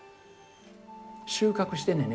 収穫してんねんね